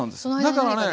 だからね